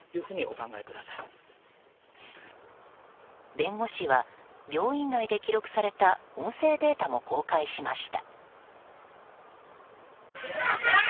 弁護士は病院内で記録された音声データも公開しました。